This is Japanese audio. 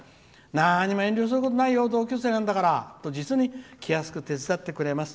何も遠慮することないよ同級生なんだからって実に気安く手伝ってくれます。